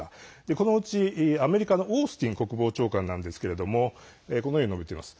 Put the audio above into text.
このうち、アメリカのオースティン国防長官がこのように述べています。